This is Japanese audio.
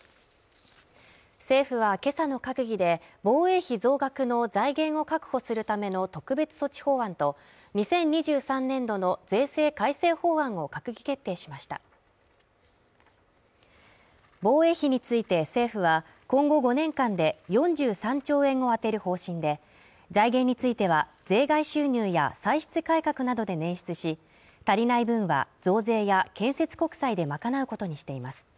政府はけさの閣議で防衛費増額の財源を確保するための特別措置法案と２０２３年度の税制改正法案を閣議決定しました防衛費について政府は今後５年間で４３兆円を充てる方針で財源については税外収入や歳出改革などで捻出し足りない分は増税や建設国債で賄うことにしています